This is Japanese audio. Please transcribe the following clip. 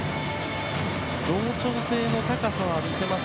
同調性の高さは見せます。